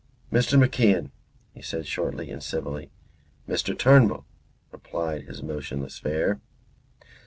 "Mr. MacIan," he said shortly and civilly. "Mr. Turnbull," replied his motionless fare.